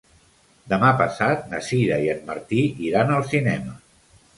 Demà passat na Sira i en Martí iran al cinema.